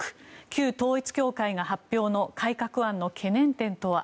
旧統一教会が発表の改革案の懸念点とは。